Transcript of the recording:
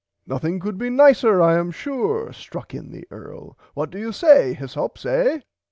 Nothing could be nicer I am sure struck in the earl what do you say Hyssops eh.